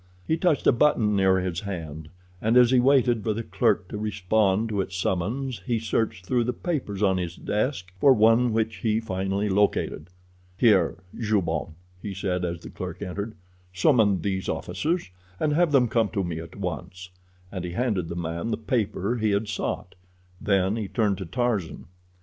He touched a button near his hand, and as he waited for the clerk to respond to its summons he searched through the papers on his desk for one which he finally located. "Here, Joubon," he said as the clerk entered. "Summon these officers—have them come to me at once," and he handed the man the paper he had sought. Then he turned to Tarzan.